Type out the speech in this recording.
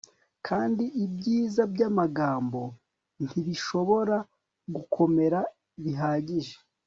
Kandi ibyiza byamagambo ntibishobora gukomera bihagije